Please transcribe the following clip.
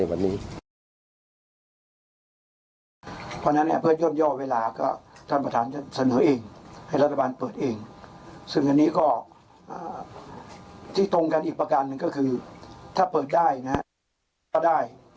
ถ้าเปิดได้นะครับก็ได้